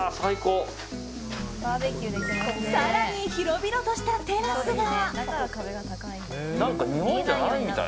更に、広々としたテラスが。